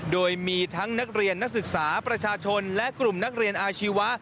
โดยมีทั้งนักเรียนนักศึกษาประชาชนและกลุ่มนักเรียนอาชีวะ